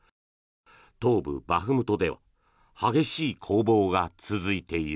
東部バフムトでは激しい攻防が続いている。